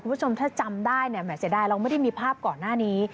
คุณผู้ชมถ้าจำได้แสดงว่าเราไม่ได้มีภาพก่อนหน้านี้